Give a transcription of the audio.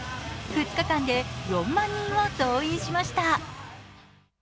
２日間で４万人を動員しました。